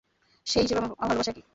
সেই হিসেবে আমার ভালোবাসা কী?